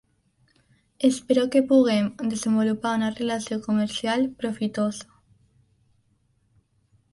Espero que puguem desenvolupar una relació comercial profitosa.